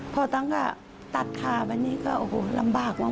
พอตั้งก็ตัดขาไปนี่ก็โอ้โหลำบากมาก